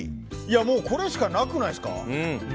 もう、これしかなくないですか。